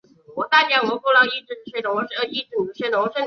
扁担杆为锦葵科扁担杆属的植物。